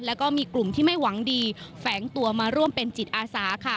แล้วก็มีกลุ่มที่ไม่หวังดีแฝงตัวมาร่วมเป็นจิตอาสาค่ะ